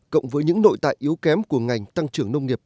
cộng với những nội tại yếu kém của ngành tăng trưởng nông nghiệp